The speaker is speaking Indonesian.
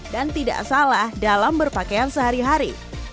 tidak salah dalam berpakaian sehari hari